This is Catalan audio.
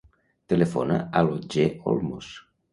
Telefona a l'Otger Olmos.